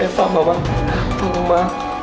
nah sebelum a